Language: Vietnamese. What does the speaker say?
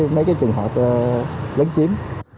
mấy cái trường hợp lớn chiếm